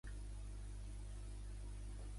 Més tard, Halliburton va ser venedor a Nova York.